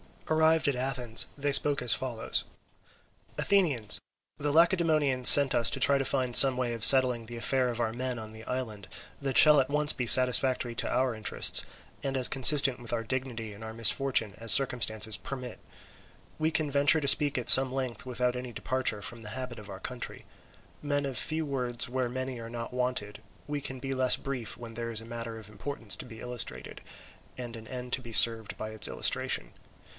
Arrived at Athens they spoke as follows: "Athenians, the Lacedaemonians sent us to try to find some way of settling the affair of our men on the island, that shall be at once satisfactory to our interests, and as consistent with our dignity in our misfortune as circumstances permit. We can venture to speak at some length without any departure from the habit of our country. Men of few words where many are not wanted, we can be less brief when there is a matter of importance to be illustrated and an end to be served by its illustration.